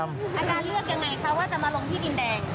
อาการเลือกยังไงคะว่าจะมาลงที่ดินแดง